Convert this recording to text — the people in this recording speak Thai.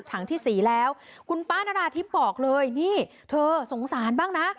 ที่สี่แล้วคุณป้านานาทิพย์บอกเลยนี่เธอสงสารบ้างนะ